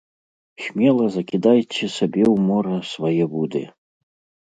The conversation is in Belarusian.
Смела закідайце сабе ў мора свае вуды.